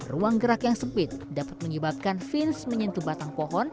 ruang gerak yang sempit dapat menyebabkan seribu dua ratus tiga